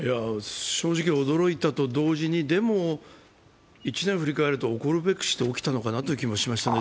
正直驚いたと同時に、でもでも１年振り返ると、起こるべくして起きたのかなと思いますね。